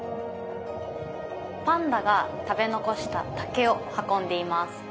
パンダが食べ残した竹を運んでいます。